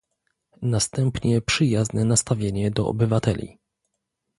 Następnie przyjazne nastawienie do obywateli